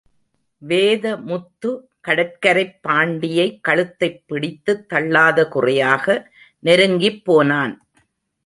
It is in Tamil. வேதமுத்து, கடற்கரைப் பாண்டியை கழுத்தைப் பிடித்து தள்ளாத குறையாக, நெருங்கிப் போனான்.